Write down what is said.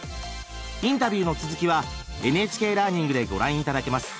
インタビューの続きはＮＨＫラーニングでご覧頂けます。